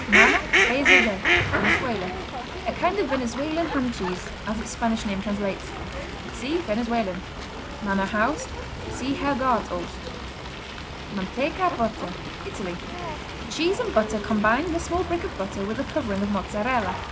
Mano, Queso de Venezuela A kind of Venezuelan hand cheese, as its Spanish name translates. (See Venezuelan.) Manor House see Herrgårdsost. Manteca, Butter Italy Cheese and butter combined in a small brick of butter with a covering of Mozzarella.